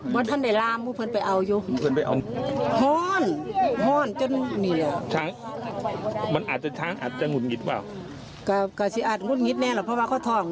มันร่าวไหร่อาจจ้ะ